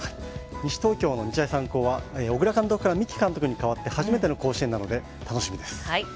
西東京の日大三高は小倉監督から三木監督に代わって初めての甲子園なので楽しみです。